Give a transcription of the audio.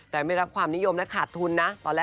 แต่ไม่รับความนิยมและขาดทุนนะ